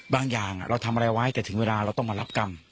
อย่างเราทำอะไรไว้แต่ถึงเวลาเราต้องมารับกรรม